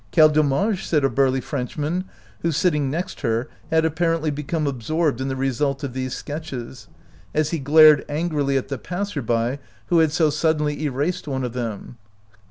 " Quel dommage !" said a burly French man, who, sitting next her, had apparently become absorbed in the result of these sketches, as he glared angrily at the passer 40 OUT OF BOHEMIA by who had so suddenly erased one of them.